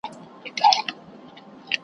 له باغلیو څخه ډک سول گودامونه .